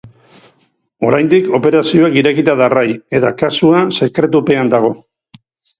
Oraindik operazioak irekita darrai eta kasua sekretupean dago.